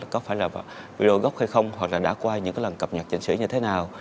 có phải là video gốc hay không hoặc là đã quay những cái lần cập nhật trình sử như thế nào